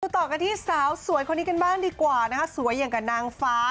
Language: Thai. ต่อกันที่สาวสวยคนนี้กันบ้างดีกว่านะคะสวยอย่างกับนางฟ้า